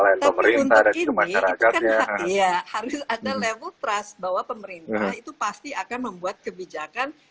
ada trust tapi untuk ini harus ada level trust bahwa pemerintah itu pasti akan membuat kebijakan